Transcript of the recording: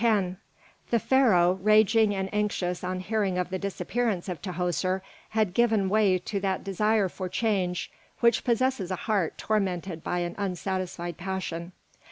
X The Pharaoh, raging and anxious on hearing of the disappearance of Tahoser, had given way to that desire for change which possesses a heart tormented by an unsatisfied passion.